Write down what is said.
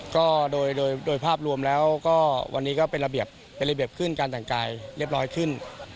ก็โดยภาพรวมแล้วก็วันนี้ก็เป็นระเบียบเป็นระเบียบขึ้นการแต่งกายเรียบร้อยขึ้น